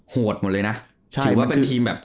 โหดหมดเลยนะถือว่าเป็นทีมแบบ